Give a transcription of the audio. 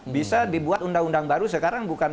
bisa dibuat undang undang baru sekarang bukan